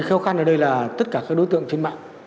khó khăn ở đây là tất cả các đối tượng trên mạng